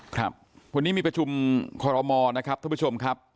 ครับวันนี้มีประชุมคอรมอนะครับท่านผู้ชมครับ